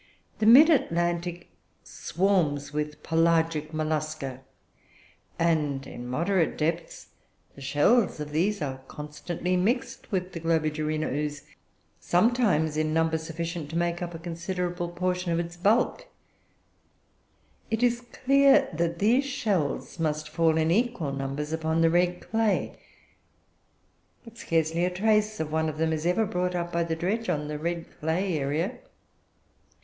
The Mid Atlantic swarms with pelagic Mollusca, and, in moderate depths, the shells of these are constantly mixed with the Globigerina ooze, sometimes in number sufficient to make up a considerable portion of its bulk. It is clear that these shells must fall in equal numbers upon the red clay, but scarcely a trace of one of them is ever brought up by the dredge on the red clay area.